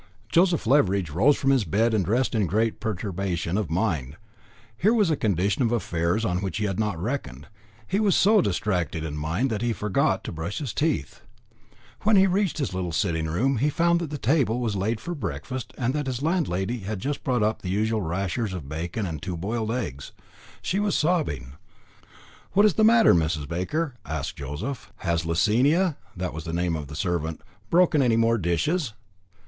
Joseph Leveridge rose from his bed and dressed in great perturbation of mind. Here was a condition of affairs on which he had not reckoned. He was so distracted in mind that he forgot to brush his teeth. When he reached his little sitting room he found that the table was laid for his breakfast, and that his landlady had just brought up the usual rashers of bacon and two boiled eggs. She was sobbing. "What is the matter, Mrs. Baker?" asked Joseph. "Has Lasinia" that was the name of the servant "broken any more dishes?"